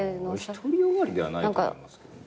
独り善がりではないと思いますけどね。